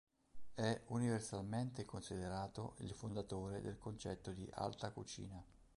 È universalmente considerato il fondatore del concetto di alta cucina.